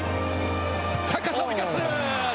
高さを生かす！